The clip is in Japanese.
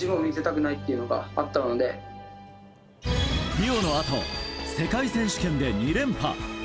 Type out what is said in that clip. リオのあと世界選手権で２連覇。